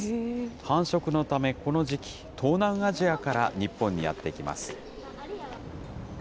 繁殖のため、この時期、東南アジアから日本にやって来ます。